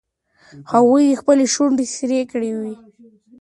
هغې خپلې شونډې سرې کړې وې.